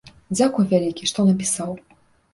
Дзякуй вялікі, што напісаў.